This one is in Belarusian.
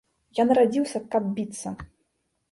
Я нарадзіўся, каб біцца.